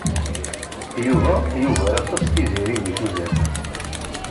Yuba yugar aṭas Tiziri deg tuzert.